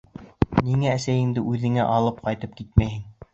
Ниңә әсәйемде үҙеңә алып ҡайтып китмәйһең?